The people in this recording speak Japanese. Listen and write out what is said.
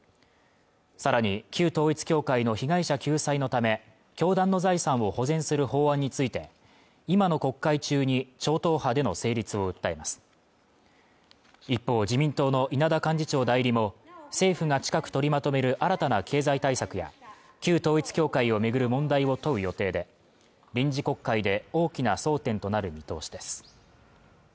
さらに旧統一教会の被害者救済のため教団の財産を保全する法案について今の国会中に超党派での成立を訴えます一方自民党の稲田幹事長代理も政府が近く取りまとめる新たな経済対策や旧統一教会を巡る問題を問う予定で臨時国会で大きな争点となる見通しです